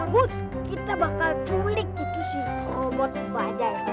aduh makan lagi makan lagi